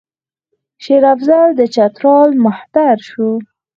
شېر افضل د چترال مهتر شو.